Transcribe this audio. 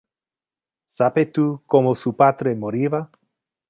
Sape tu como su patre moriva?